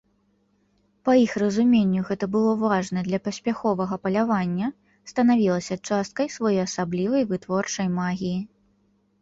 Па іх разуменню гэта было важна для паспяховага палявання, станавілася часткай своеасаблівай вытворчай магіі.